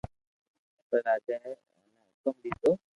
پسي راجا اي اينآ ھڪم ديدو